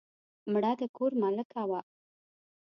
مړه د کور ملکه وه